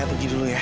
ia pergi dulu ya